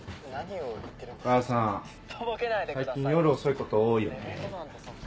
お母さん最近夜遅いこと多いよね。